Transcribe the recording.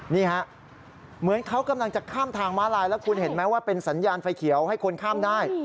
นี่ฮะเหมือนเขากำลังจะข้ามทางม้าลายแล้วคุณเห็นไหมว่าเป็นสัญญาณไฟเขียวให้คนข้ามได้